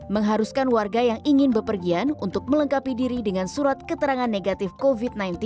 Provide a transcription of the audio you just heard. mengharuskan warga yang ingin bepergian untuk melengkapi diri dengan surat keterangan negatif covid sembilan belas